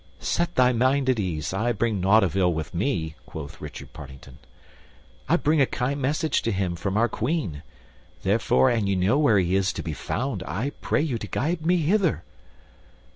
"Set thy mind at ease; I bring nought of ill with me," quoth Richard Partington. "I bring a kind message to him from our Queen, therefore an ye know where he is to be found, I pray you to guide me thither."